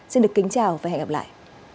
xin được kính chào và hẹn gặp lại